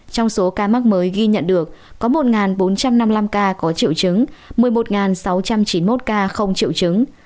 trong số ca mắc mới ghi nhận được có một bốn trăm năm mươi năm ca có triệu chứng một mươi một sáu trăm chín mươi một ca không triệu chứng